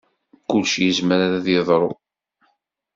Kullec yezmer ad yeḍru.